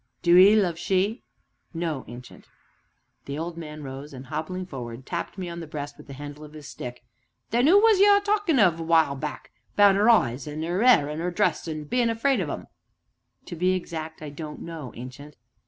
"Do 'ee love she?" "No, Ancient." The old man rose, and, hobbling forward, tapped me upon the breast with the handle of his stick. "Then who was you a talkin' of, a while back 'bout 'er eyes, an' 'er 'air, an' 'er dress, an' bein' afraid o' them?" "To be exact, I don't know, Ancient."